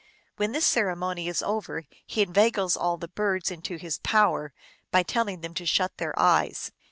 When this ceremony is over, he inveigles all the birds into his power by telling them to shut their eyes.